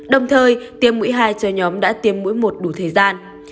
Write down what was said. đồng thời tiêm mũi hai cho nhóm đã tiêm mũi một đủ thời gian